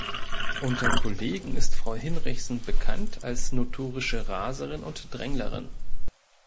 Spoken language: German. Unter Kollegen ist Frau Hinrichsen bekannt als notorische Raserin und Dränglerin.